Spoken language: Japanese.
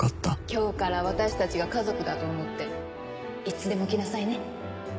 今日から私たちが家族だと思っていつでも来なさいね。